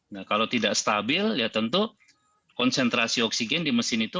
nah kalau tidak stabil ya tentu konsentrasi oksigen di mesin itu